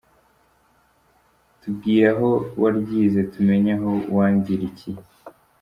Tubwire aho waryize tumenye aho wangirikiye.